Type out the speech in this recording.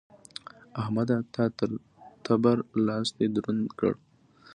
احمده! تا تر تبر؛ لاستی دروند کړ.